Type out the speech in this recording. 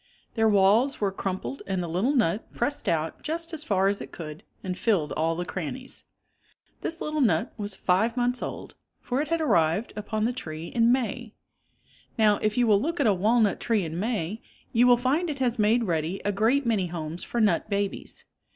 Their walls were crumpled and the little nut press ed out just as far as it could and filled all the crannies. This little nut was five months old, for it had arrived upon the you will look at a walnut tree in May, you will find it has made ready a great many homes for nut babies.